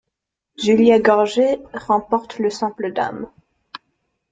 Julia Görges remporte le simple dames.